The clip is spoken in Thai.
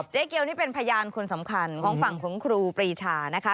เจ๊เกียวนี่เป็นพยานคนสำคัญของฝั่งของครูปรีชานะคะ